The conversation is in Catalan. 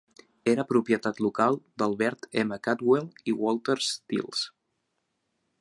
Era propietat local d"Albert M. Cadwell i Walter Stiles.